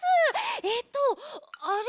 えっとあれ？